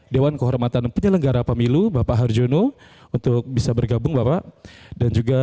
dewan kehormatan penyelenggara pemilu bapak harjono untuk bisa bergabung bapak dan juga